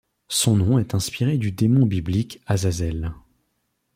Son nom est inspiré du démon biblique Azazel.